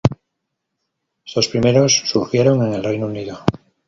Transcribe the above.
Estos primeros surgieron en el Reino Unido.